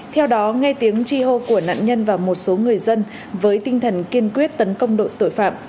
theo đó nghe tiếng chi hô của nạn nhân và một số người dân với tinh thần kiên quyết tấn công đội tội phạm